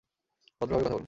ভদ্রভাবে কথা বলুন।